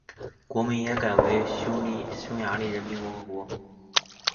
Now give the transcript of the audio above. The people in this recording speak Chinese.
国名也改为匈牙利人民共和国。